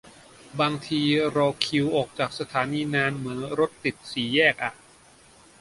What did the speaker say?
บางทีรอคิวออกจากสถานีนานเหมือนรถติดสี่แยกอะ